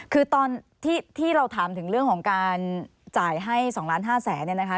คือตอนที่เราถามถึงเรื่องของการจ่ายให้๒ล้าน๕แสนเนี่ยนะคะ